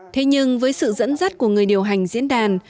thế nhưng với sự dẫn dắt của người điều hành diễn đàn